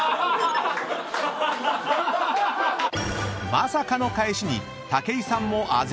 ［まさかの返しに武井さんもあ然］